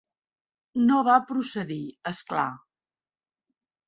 No va procedir, és clar.